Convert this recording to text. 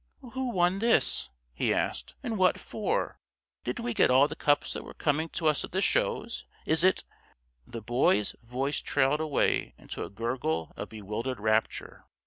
"Who won this?" he asked. "And what for? Didn't we get all the cups that were coming to us at the shows. Is it " The Boy's voice trailed away into a gurgle of bewildered rapture.